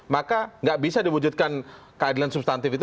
maka nggak bisa diwujudkan keadilan substantif itu